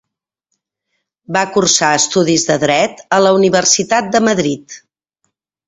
Va cursar estudis de Dret a la Universitat de Madrid.